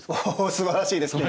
すばらしいですか。